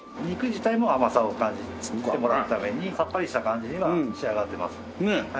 肉自体も甘さを感じてもらうためにサッパリした感じには仕上がってます。